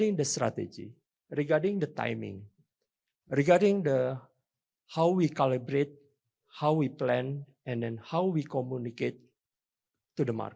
mengenai strategi mengenai timing mengenai bagaimana kita mengalibri bagaimana kita menjanjikan dan bagaimana kita berkomunikasi dengan pasar